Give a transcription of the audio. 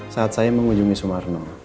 saat saya mengunjungi sumarno